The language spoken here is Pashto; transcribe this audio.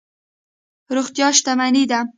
روغتیا شتمني ده.